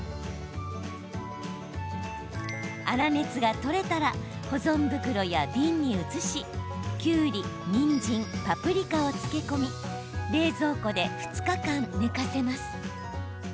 粗熱が取れたら保存袋や瓶に移しきゅうり、にんじんパプリカを漬け込み冷蔵庫で２日間、寝かせます。